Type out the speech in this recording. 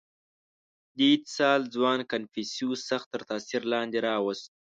• دې اتصال ځوان کنفوسیوس سخت تر تأثیر لاندې راوست.